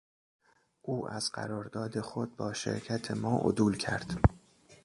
او از قرارداد خود با شرکت ما عدول کرد.